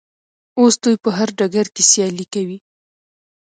اوس دوی په هر ډګر کې سیالي کوي.